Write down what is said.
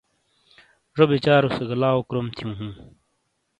زو بچارو سے گہ لاؤ کروم تھیوں ہوں